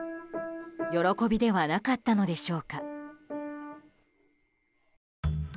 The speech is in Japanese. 喜びではなかったのでしょうか。